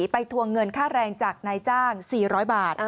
ทวงเงินค่าแรงจากนายจ้าง๔๐๐บาท